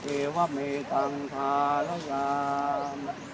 เอวะเมตังธารงาม